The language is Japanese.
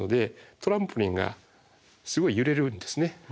トランポリンがすごい揺れるんですね。